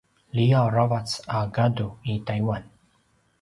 liyaw a ravac a gadu i taiwan